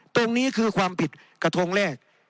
ตรงนี้คือความผิดกระทงแรก